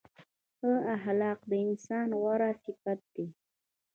ښه اخلاق د انسان غوره صفت دی.